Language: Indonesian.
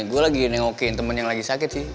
gue lagi nengokin temen yang lagi sakit sih